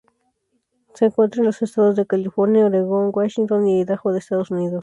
Se encuentra en los estados de California, Oregon, Washington y Idaho de Estados Unidos.